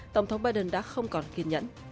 tổng thống biden đã không còn kiên nhẫn